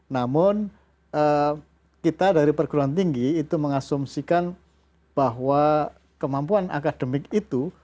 namun kita dari perguruan tinggi itu mengasumsikan bahwa kemampuan akademik itu